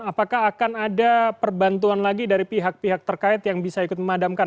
apakah akan ada perbantuan lagi dari pihak pihak terkait yang bisa ikut memadamkan